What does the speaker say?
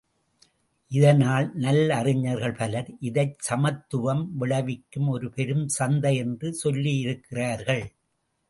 இதனால் நல்லறிஞர்கள் பலர், இதைச் சமத்துவம் விளைவிக்கும் ஒரு பெருஞ் சந்தை என்று சொல்லியிருக்கிறார்கள்.